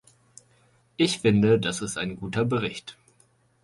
Ich finde, das ist ein guter Bericht.